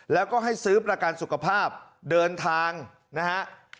แล้วก็ให้ซื้อประกันสุขภาพเดินทางนะฮะ